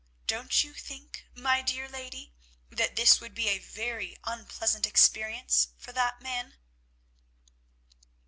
Don't you think, my dear lady, that this would be a very unpleasant experience for that man?"